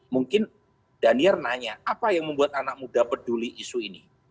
mungkin daniel nanya apa yang membuat anak muda peduli isu ini